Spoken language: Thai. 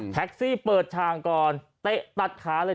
แท็กซี่เปิดชางก่อนเตะตัดขาเลย